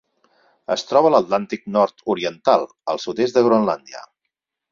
Es troba a l'Atlàntic nord-oriental: el sud-est de Groenlàndia.